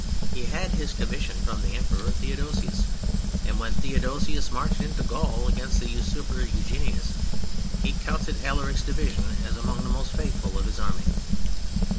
He had his commission from the Emperor Theodosius, and when Theodosius marched into Gaul against the usurper Eugenius, he counted Alaric's division as among the most faithful of his Army.